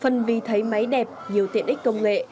phân vì thấy máy đẹp nhiều tiện ích công nghệ